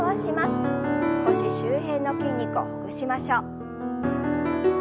腰周辺の筋肉をほぐしましょう。